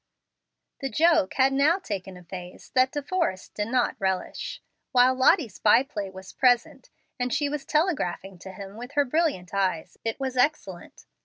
The joke had now taken a phase that De Forrest did not relish. While Lottie's by play was present, and she was telegraphing to him with her brilliant eyes, it was excellent.